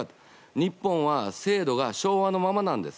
日本は制度が昭和のままなんです。